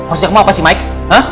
orang itu mau apa sih mike